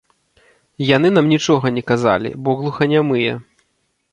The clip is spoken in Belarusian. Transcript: Яны нам нічога не казалі, бо глуханямыя.